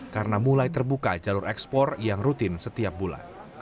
karena mulai terbuka jalur ekspor yang rutin setiap bulan